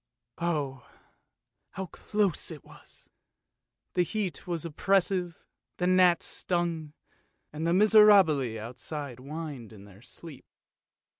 Oh! how close it was! The heat was oppressive, the gnats stung, and the miserabili outside whined in their sleep.